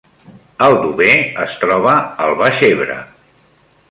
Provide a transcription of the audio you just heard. Aldover es troba al Baix Ebre